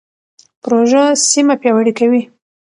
پروژه سیمه پیاوړې کوي.